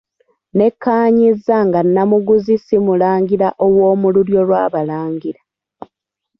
Nnekkaanyizza nga Nnamuguzi si mulangira ow'omu lulyo lw'Abalangira.